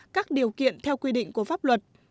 các điều kiện theo quy định của pháp luật